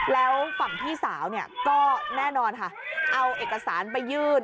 แล้วฝั่งพี่สาวเนี่ยก็แน่นอนค่ะเอาเอกสารไปยื่น